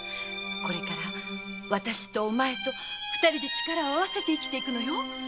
これからあたしとお前と力を合わせて生きていくのよ。